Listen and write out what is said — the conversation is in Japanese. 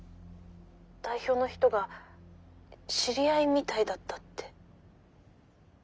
代表の人が知り合いみたいだったって。